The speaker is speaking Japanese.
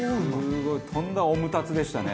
とんだオムタツでしたね。